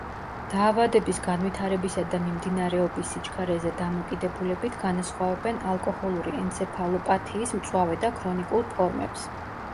დაავადების განვითარებისა და მიმდინარეობის სიჩქარეზე დამოკიდებულებით განასხვავებენ ალკოჰოლური ენცეფალოპათიის მწვავე და ქრონიკულ ფორმებს.